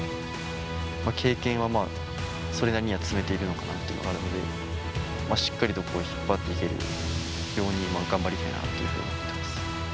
経験はまあ、それなりには積めているのかなというのはあるので、しっかりと引っ張っていけるように、頑張りたいなというふうに思ってます。